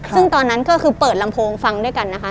ซึ่งตอนนั้นก็คือเปิดลำโพงฟังด้วยกันนะคะ